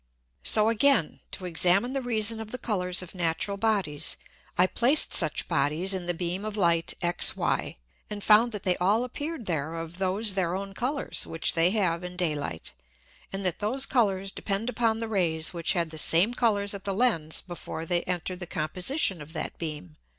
So again, to examine the reason of the Colours of natural Bodies, I placed such Bodies in the Beam of Light XY, and found that they all appeared there of those their own Colours which they have in Day light, and that those Colours depend upon the Rays which had the same Colours at the Lens before they enter'd the Composition of that beam.